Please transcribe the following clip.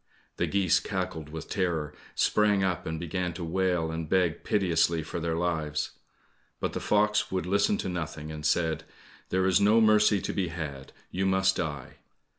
The geese cackled with terror, sprang up, and began to wail and beg piteously for their lives. But the fox would listen to nothing, and said, "There is no mercy to be had! You must die."